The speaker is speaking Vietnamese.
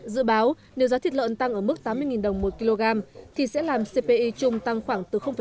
dự báo nếu giá thịt lợn tăng ở mức tám mươi đồng một kg thì sẽ làm cpi trung tăng khoảng từ năm bảy